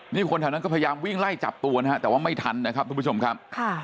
นี่คนแถวนั้นก็พยายามวิ่งไล่จับตัวนะฮะแต่ว่าไม่ทันนะครับทุกผู้ชมครับ